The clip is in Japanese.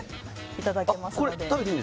いただけますのではい